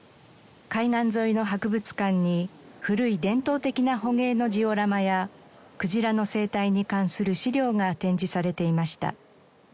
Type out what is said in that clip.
海岸沿いの博物館に古い伝統的な捕鯨のジオラマやクジラの生態に関する資料が展示されていました。